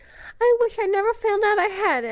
I wish I'd never found out I had any."